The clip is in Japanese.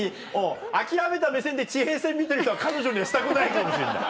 諦めた目線で地平線見てる人は彼女にはしたくないかもしんない